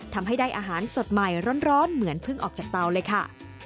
ทำให้ได้อาหารสดใหม่ร้อนเหมือนเพิ่งออกจากเตาเลยค่ะ